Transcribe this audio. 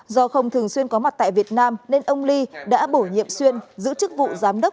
do không thường xuyên có mặt tại việt nam nên ông lee đã bổ nhiệm xuân giữ chức vụ giám đốc điều tra